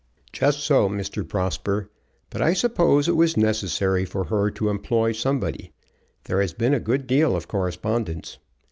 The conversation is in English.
"Just so, Mr. Prosper. But I suppose it was necessary for her to employ somebody. There has been a good deal of correspondence."